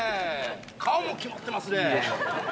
顔もキマってますね。